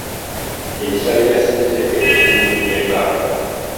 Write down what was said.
Ebisale bya ssetendekero biri mu meka?